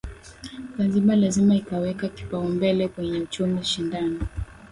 Zanzibar lazima ikaweka kipaumbele kwenye uchumi shindani